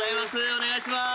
お願いしまーす。